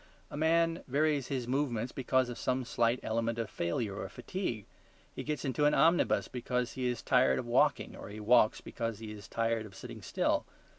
A man varies his movements because of some slight element of failure or fatigue. He gets into an omnibus because he is tired of walking; or he walks because he is tired of sitting still.